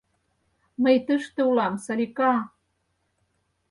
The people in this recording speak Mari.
Мый тыште улам, Салика-а!